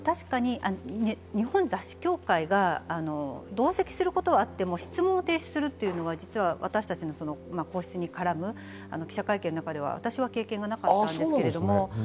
日本雑誌協会が同席することはあっても質問を提出するのは私たちの皇室に絡む記者会見では私は経験がなかったんです。